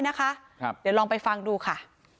เดี๋ยวลองไปฟังดูค่ะ